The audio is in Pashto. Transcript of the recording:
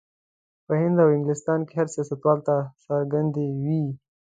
په هند او انګلستان کې هر سیاستوال ته څرګندې وې.